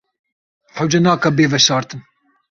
Hewce nake bê veşartin.